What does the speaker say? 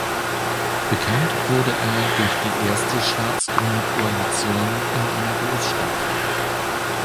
Bekannt wurde er durch die erste Schwarz-Grüne Koalition in einer Großstadt.